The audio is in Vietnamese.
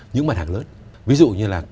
những mặt hàng lớn ví dụ như là